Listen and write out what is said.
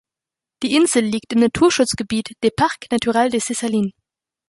Die Insel liegt im Naturschutzgebiet des Parque Natural de Ses Salines.